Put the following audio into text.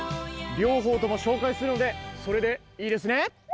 両方とも紹介するので、それでいいですね？